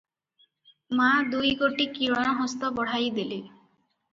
ମା’ ଦୁଇ ଗୋଟି କିରଣ ହସ୍ତ ବଢ଼ାଇ ଦେଲେ।